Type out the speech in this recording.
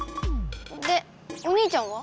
でお兄ちゃんは？